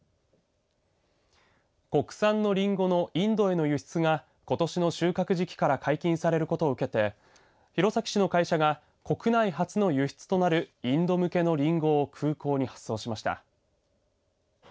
国産のりんごのインドへの輸出がことしの収穫時期から解禁されることを受けて弘前市の会社が国内初の輸出となるインド向けのりんごを空港に発送しました。